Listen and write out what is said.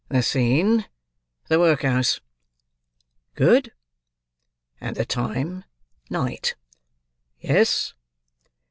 "The scene, the workhouse." "Good!" "And the time, night." "Yes."